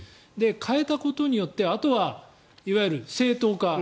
変えたことであとはいわゆる正当化